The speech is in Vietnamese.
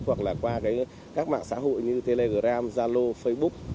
hoặc là qua các mạng xã hội như telegram zalo facebook